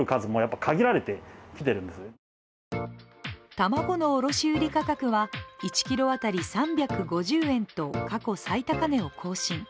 卵の卸売価格は、１ｋｇ当たり３５０円と過去最高値を更新。